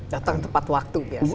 datang tepat waktu